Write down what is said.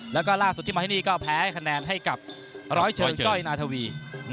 แล้วก็ล่าสุดที่มาที่นี่ก็แพ้คะแนนให้กับร้อยเชิงจ้อยนาธวี